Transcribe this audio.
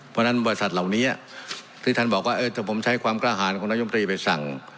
เพราะฉะนั้นบริษัทเหล่านี้ที่ท่านบอกว่าถ้าผมใช้ความกล้าหารของนายมตรีไปสั่ง